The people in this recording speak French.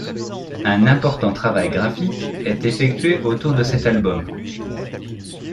Un important travail graphique est effectué autour de cet album.